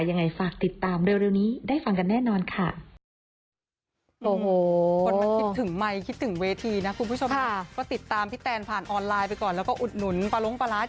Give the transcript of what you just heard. ยังไงฝากติดตามเร็วนี้ได้ฟังกันแน่นอนค่ะ